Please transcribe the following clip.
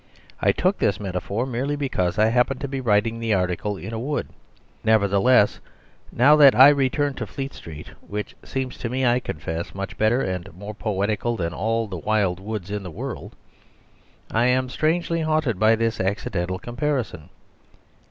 I took this metaphor merely because I happened to be writing the article in a wood. Nevertheless, now that I return to Fleet Street (which seems to me, I confess, much better and more poetical than all the wild woods in the world), I am strangely haunted by this accidental comparison.